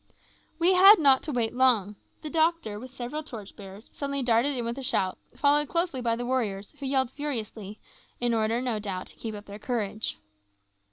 We had not to wait long. The doctor, with several torch bearers, suddenly darted in with a shout, followed closely by the warriors, who yelled furiously, in order, no doubt, to keep up their courage.